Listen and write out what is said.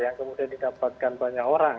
yang kemudian didapatkan banyak orang